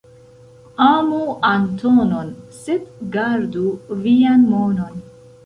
Amu Antonon, sed gardu vian monon.